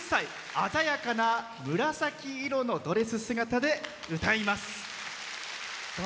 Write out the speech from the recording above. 鮮やかな紫色のドレス姿で歌います。